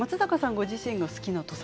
ご自身の好きな土佐